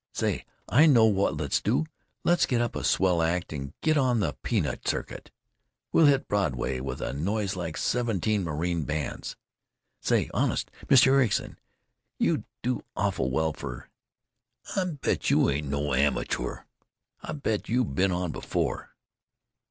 Say, I know what let's do—let's get up a swell act and get on the Peanut Circuit. We'd hit Broadway with a noise like seventeen marine bands.... Say, honest, Mr. Ericson, you do awful well for——I bet you ain't no amachoor. I bet you been on before."